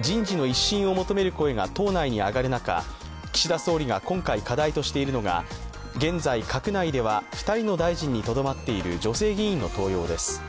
人事の一新を求める声が党内に上がる中、岸田総理が今回課題としているのが現在、閣内では２人の大臣にとどまっている女性議員の登用です。